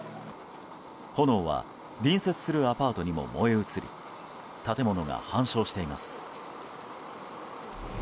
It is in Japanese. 炎は隣接するアパートにも燃え移り建物が半焼しています。